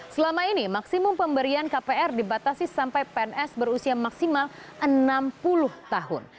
selama ini maksimum pemberian kpr dibatasi sampai pns berusia maksimal enam puluh tahun